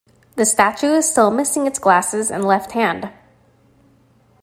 The statue is still missing its glasses and left hand.